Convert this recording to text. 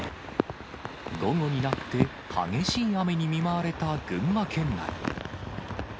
午後になって、激しい雨に見舞われた群馬県内。